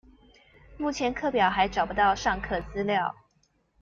目前課表還找不到上課資料